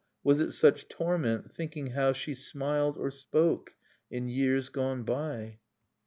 Was it such torment, thinking how She smiled, or spoke, in years gone by?